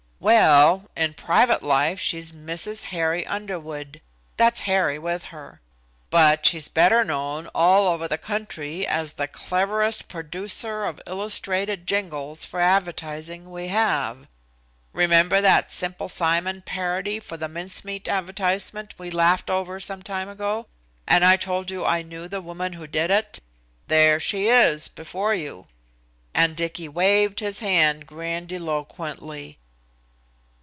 "Well, in private life she's Mrs. Harry Underwood that's Harry with her but she's better known all over the country as the cleverest producer of illustrated jingles for advertising we have. Remember that Simple Simon parody for the mincemeat advertisement we laughed over some time ago, and I told you I knew the woman who did it? There she is before you," and Dicky waved his hand grandiloquently.